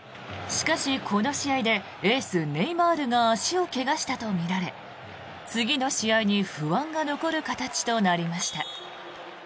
しかし、この試合でエース、ネイマールが足を怪我したとみられ次の試合に不安が残る形となりました。